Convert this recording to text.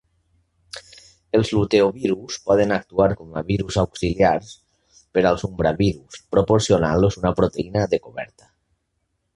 Els luteovirus poden actuar com a virus auxiliars per als umbravirus, proporcionant-los una proteïna de coberta.